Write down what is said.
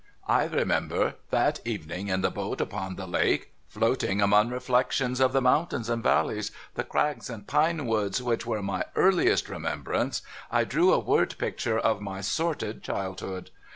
I remember, that evening in the boat upon the lake, floating among the reflections of the mountains and valleys, the crags and pine woods, which were my earliest remembrance, I drew a word picture of my sordid childhood.